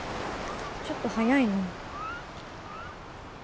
ちょっと早いな。